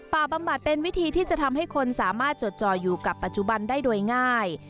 บำบัดเป็นวิธีที่จะทำให้คนสามารถจดจ่ออยู่กับปัจจุบันได้โดยง่าย